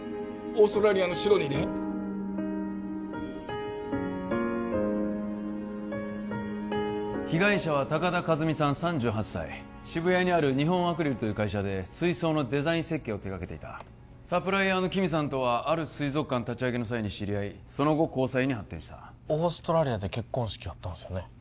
オーストラリアのシドニーで被害者は高田和美さん３８歳渋谷にある日本アクリルという会社で水槽のデザイン設計を手がけていたサプライヤーの木見さんとはある水族館立ち上げの際に知り合いその後交際に発展したオーストラリアで結婚式やったんですよね？